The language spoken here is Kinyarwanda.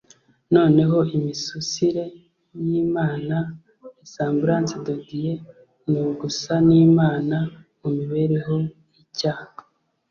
noneho imisusire y'imana (ressemblance de dieu) ni ugusa n'imana mu mibereho.icya